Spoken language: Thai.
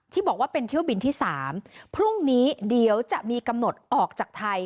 บอกว่าเป็นเที่ยวบินที่๓พรุ่งนี้เดี๋ยวจะมีกำหนดออกจากไทย